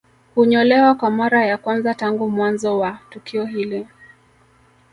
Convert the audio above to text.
Hunyolewa kwa mara ya kwanza tangu mwanzo wa tukio hili